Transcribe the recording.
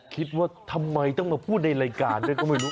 คิดว่าทำไมต้องมาพูดในรายการด้วยก็ไม่รู้